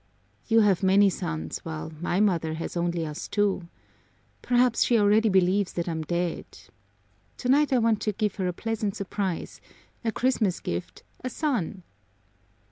"You have many sons while my mother has only us two. Perhaps she already believes that I'm dead! Tonight I want to give her a pleasant surprise, a Christmas gift, a son."